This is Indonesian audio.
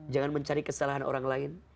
jangan mencari kesalahan orang lain